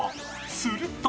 すると